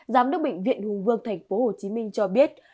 giám đốc bệnh viện hùng vương tp hcm cho biết